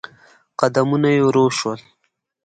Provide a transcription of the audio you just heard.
قدمونه يې ورو شول.